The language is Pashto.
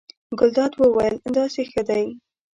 ګلداد وویل: داسې ښه دی.